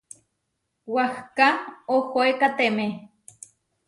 Wahká ohóekateme.